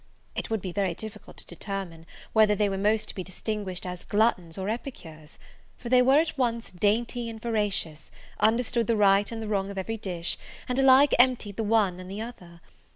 It would be very difficult to determine, whether they were most to be distinguished as gluttons or epicures; for they were, at once, dainty and voracious, understood the right and the wrong of every dish, and alike emptied the one and the other.